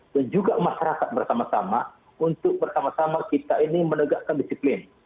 dan juga masyarakat bersama sama untuk bersama sama kita ini menegakkan disiplin